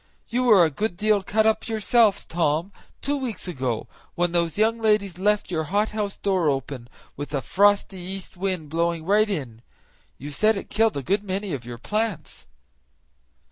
You were a good deal cut up yourself, Tom, two weeks ago, when those young ladies left your hothouse door open, with a frosty east wind blowing right in; you said it killed a good many of your plants."